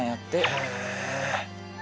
へえ。